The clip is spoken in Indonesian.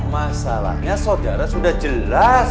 masalahnya saudara sudah jelas